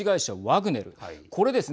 これですね